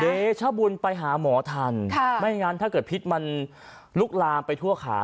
เดชบุญไปหาหมอทันไม่งั้นถ้าเกิดพิษมันลุกลามไปทั่วขา